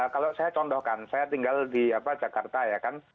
kalau saya contohkan saya tinggal di jakarta ya kan